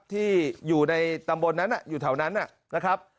ที่อยู่ในตำบลนั้นอยู่แถวนั้นนะครับ